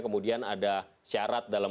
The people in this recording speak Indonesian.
kemudian ada syarat dalam